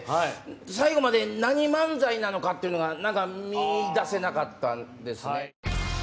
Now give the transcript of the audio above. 最後まで何漫才なのかというのが見いだせなかったですね。